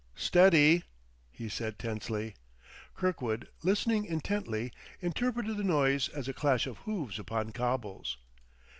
Steady!" he said tensely. Kirkwood, listening intently, interpreted the noise as a clash of hoofs upon cobbles.